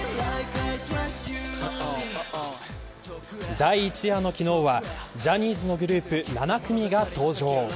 第１夜の昨日はジャニーズのグループ７組が登場。